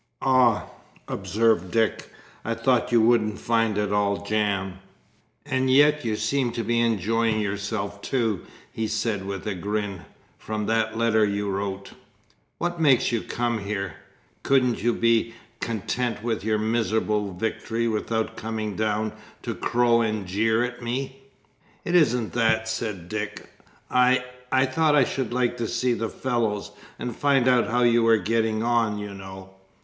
"Ah!" observed Dick, "I thought you wouldn't find it all jam! And yet you seemed to be enjoying yourself, too," he said with a grin, "from that letter you wrote." "What made you come here? Couldn't you be content with your miserable victory, without coming down to crow and jeer at me?" "It isn't that," said Dick. "I I thought I should like to see the fellows, and find out how you were getting on, you know."